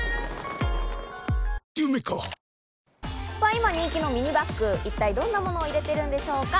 今人気のミニバッグ、一体、どんな物を入れているんでしょうか？